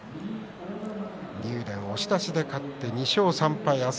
竜電は押し出しで勝って２勝３敗。